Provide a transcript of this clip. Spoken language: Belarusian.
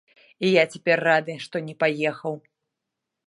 І я цяпер рады, што не паехаў!